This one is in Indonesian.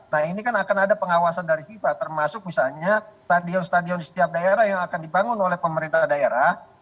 nah ini kan akan ada pengawasan dari fifa termasuk misalnya stadion stadion di setiap daerah yang akan dibangun oleh pemerintah daerah